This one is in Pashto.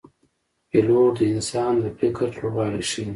پیلوټ د انسان د فکر لوړوالی ښيي.